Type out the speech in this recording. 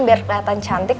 biar keliatan cantik